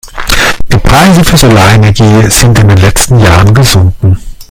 Die Preise für Solarenergie sind in den letzten Jahren gesunken.